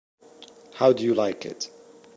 How do you like it?